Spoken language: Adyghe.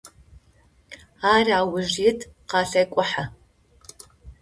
Ар ауж ит, къалъекӏухьэ.